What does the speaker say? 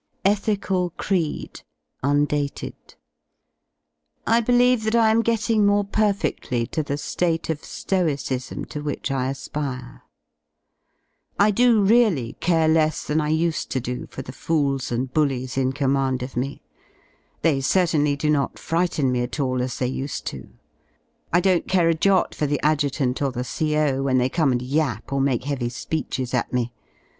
ETHICAL CREED Vndated. I believe that I am getting more perfeftly to the ^te of Stoicism to which I aspire. I do really care less than I used to do for the fools and bullies in command of me. They certainly do not frighten me at all as they used to. I don't care a jot for the Adjutant or the CO. when they come and yap or make heavy speeches at me.